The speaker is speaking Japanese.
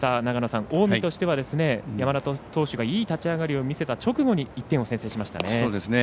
近江としては山田投手がいい立ち上がりを見せた直後に１点を先制しましたね。